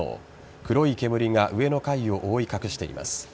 黒い煙が上の階を覆い隠しています。